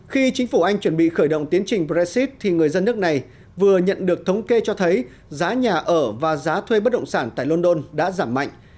khi chính phủ anh chuẩn bị khởi động tiến trình brexit thì người dân nước này vừa nhận được thống kê cho thấy giá nhà ở và giá thuê bất động sản tại london đã giảm mạnh